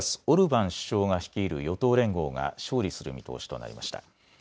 オルバン首相が率いる与党連合が勝利する見通しとなりました。